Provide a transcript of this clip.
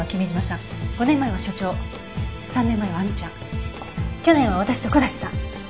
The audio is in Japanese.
５年前は所長３年前は亜美ちゃん去年は私と木立さん。